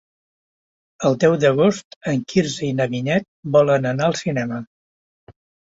El deu d'agost en Quirze i na Vinyet volen anar al cinema.